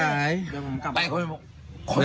เดี๋ยวหนูกลับไป